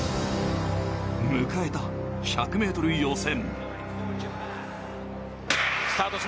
迎えた１００ｍ予選。